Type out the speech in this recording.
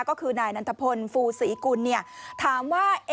ก็คือนายนันทพลฟูศรีกุลถามว่า